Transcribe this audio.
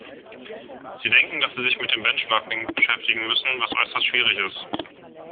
Sie denken, dass Sie sich mit dem Benchmarking beschäftigen müssen, was äußerst schwierig ist.